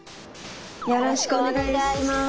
よろしくお願いします。